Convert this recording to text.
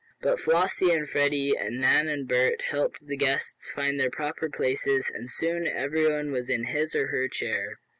But Flossie and Freddie, and Nan and Bert, helped the guests to find their proper places and soon everyone was in his or her chair.